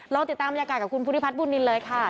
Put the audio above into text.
ติดตามบรรยากาศกับคุณภูริพัฒนบุญนินเลยค่ะ